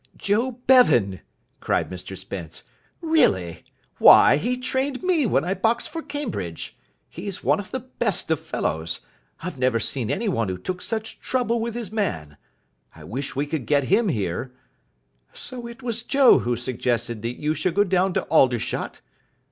"Joe Bevan!" cried Mr Spence. "Really? Why, he trained me when I boxed for Cambridge. He's one of the best of fellows. I've never seen any one who took such trouble with his man. I wish we could get him here. So it was Joe who suggested that you should go down to Aldershot?